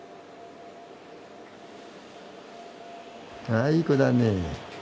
ああいい子だね。